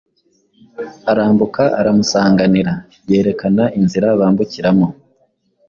Arambuka aramusanganira, yerekana inzira bambukiramo